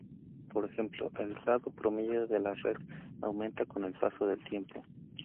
Por ejemplo, el grado promedio de la red aumenta con el paso del tiempo.